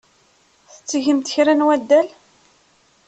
Tettgemt kra n waddal?